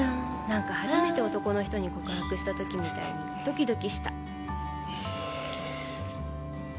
なんか初めて男の人に告白した時みたいにドキドキした